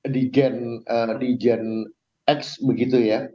di gen x begitu ya